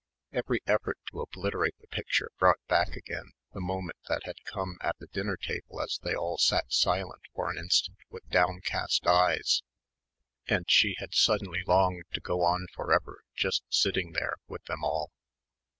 Every effort to obliterate the picture brought back again the moment that had come at the dinner table as they all sat silent for an instant with downcast eyes and she had suddenly longed to go on for ever just sitting there with them all.